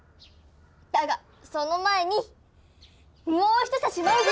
だがその前にもうひとさし舞うぞ。